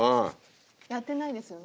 やってないですよね。